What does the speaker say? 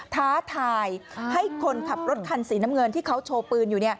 ท้าทายให้คนขับรถคันสีน้ำเงินที่เขาโชว์ปืนอยู่